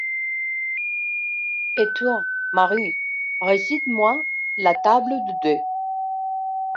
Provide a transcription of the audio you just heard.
Et toi, Marie, récite-moi la table de deux.